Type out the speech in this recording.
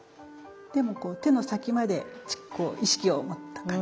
でもこう手の先まで意識を持った。